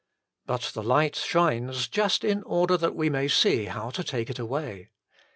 But the light shines just in order that we may see how to take it away.